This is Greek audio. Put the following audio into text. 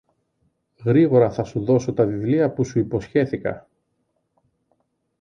γρήγορα θα σου δώσω τα βιβλία που σου υποσχέθηκα